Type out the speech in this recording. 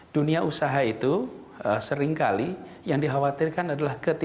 dunia usaha itu seringkali yang dikhawatirkan adalah